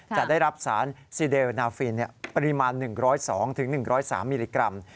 จะได้รับสารซีเดลนาฟินปริมาณ๑๐๒๑๐๓มิลลิกรัม